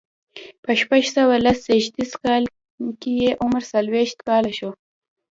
په شپږ سوه لس زيږديز کې یې عمر څلوېښت کاله شو.